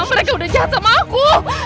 mereka udah jahat sama aku